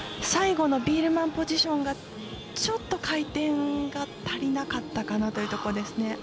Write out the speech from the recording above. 最後のビールマンポジションがちょっと回転が足りなかったかなというところですね。